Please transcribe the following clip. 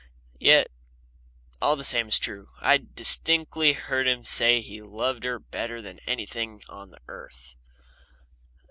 Yet all the same it's true, I distinctly heard him say he loved her better than anything on earth.